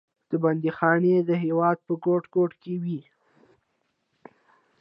دا بندیخانې د هېواد په ګوټ ګوټ کې وې.